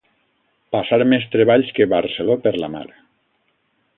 Passar més treballs que Barceló per la mar.